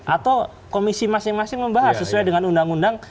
atau komisi masing masing membahas sesuai dengan undang undang